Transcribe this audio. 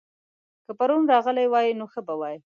که پرون راغلی وای؛ نو ښه به وای